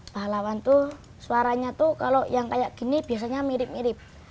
pahlawan itu suaranya tuh kalau yang kayak gini biasanya mirip mirip